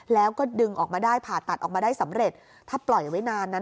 แล้วก็ดึงออกมาได้ผ่าตัดออกมาได้สำเร็จถ้าปล่อยไว้นานนั้น